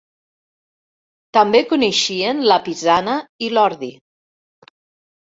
També coneixien la pisana i l'ordi.